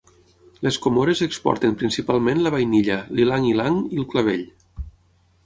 Les Comores exporten principalment la vainilla, l'ilang-ilang i el clavell.